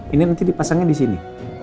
ini nanti dipasangnya di sini